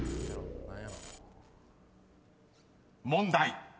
［問題］